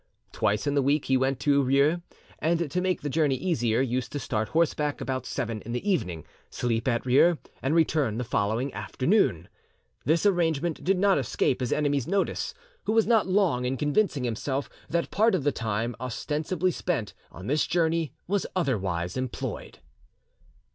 Twice in the week he went to Rieux, and to make the journey easier, used to start horseback about seven in the evening, sleep at Rieux, and return the following afternoon. This arrangement did not escape his enemy's notice, who was not long in convincing himself that part of the time ostensibly spent on this journey was otherwise employed.